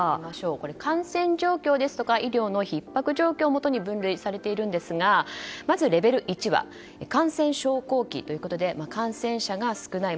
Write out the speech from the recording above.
これは、感染状況ですとか医療のひっ迫状況をもとに分類されているんですがまずレベル１は感染小康期ということで感染者が吹くない。